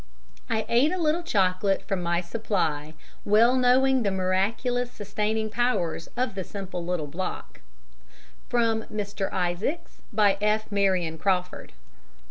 _ I ate a little chocolate from my supply, well knowing the miraculous sustaining powers of the simple little block (from Mr. Isaacs, by F. Marion Crawford).